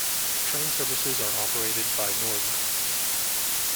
Train services are operated by Northern.